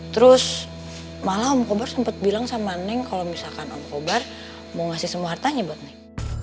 terus malam kobar sempat bilang sama neng kalau misalkan om kobar mau ngasih semua hartanya buat neng